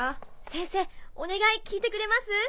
先生お願い聞いてくれます？